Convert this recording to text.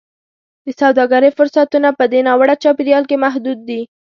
د سوداګرۍ فرصتونه په دې ناوړه چاپېریال کې محدود دي.